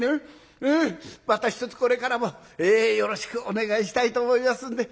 またひとつこれからもよろしくお願いしたいと思いますんで。